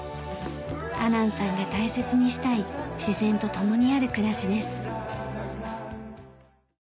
阿南さんが大切にしたい自然と共にある暮らしです。